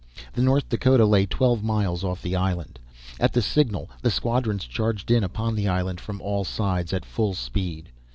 The North Dakota lay twelve miles off the island. At the signal the squadrons charged in upon the island, from all sides, at full speed.